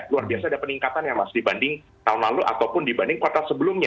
luar biasa ada peningkatan ya mas dibanding tahun lalu ataupun dibanding kuartal sebelumnya